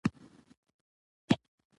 بادي انرژي د افغانستان د اقلیم ځانګړتیا ده.